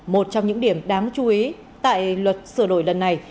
một trong những điểm đáng chú ý tại luật sửa đổi lần này